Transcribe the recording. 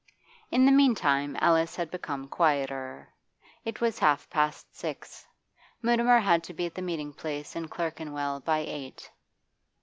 In the meantime Alice had become quieter. It was half past six; Mutimer had to be at the meeting place in Clerkenwell by eight.